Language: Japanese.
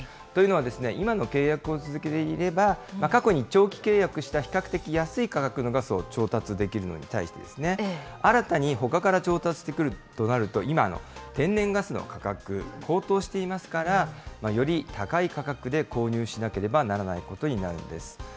というのはですね、今の契約を続けていれば、過去に長期契約した比較的安い価格のガスを調達できるのに対してですね、新たにほかから調達してくるとなると、今の天然ガスの価格、高騰していますから、より高い価格で購入しなければならないことになるんです。